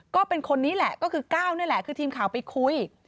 ก็เป็นคนนี้แหละก็คือก้าวนี่แหละคือทีมข่าวไปคุย